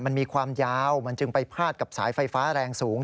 มันมีความยาวมันจึงไปพาดกับสายไฟฟ้าแรงสูง